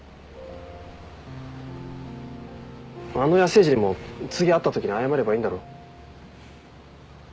あの野生児にも次会ったときに謝ればいいんだろ？